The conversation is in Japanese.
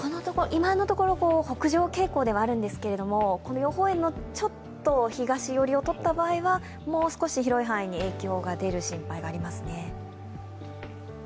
今のところ、北上傾向ではあるんですけれども、予報円のちょっと東寄りをとった場合には、もう少し広い範囲に影響が出る心配がありますね。